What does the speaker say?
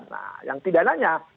nah yang tidak nanya